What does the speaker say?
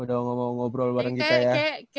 udah gak mau ngobrol bareng kita ya